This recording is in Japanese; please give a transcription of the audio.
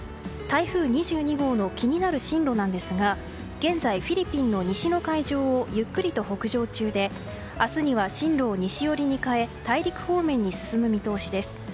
台風２２号の気になる進路ですが現在、フィリピンの西の海上をゆっくりと北上中で明日には進路を西寄りに変え大陸方面に進む見通しです。